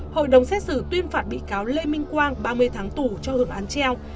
hội đồng xét xử tuyên phạt bị cáo lê minh quang ba mươi tháng tù cho hưởng án treo